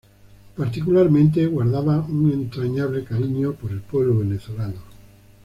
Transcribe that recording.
Particularmente guardaba un entrañable cariño por el pueblo venezolano.